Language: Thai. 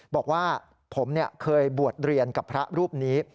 บอกว่าผมเคยบวชเรียนกับพระรูปนี้